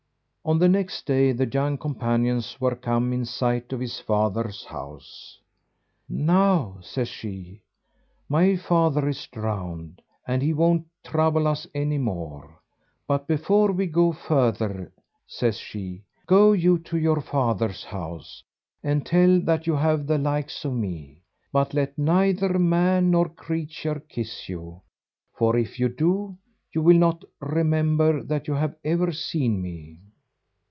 On the next day the young companions were come in sight of his father's house. "Now," says she, "my father is drowned, and he won't trouble us any more; but before we go further," says she, "go you to your father's house, and tell that you have the likes of me; but let neither man nor creature kiss you, for if you do, you will not remember that you have ever seen me."